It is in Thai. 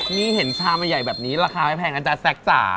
นี่เห็นชามใหญ่แบบนี้ราคาไม่แพงนะจ๊ะแซ็กจ๋า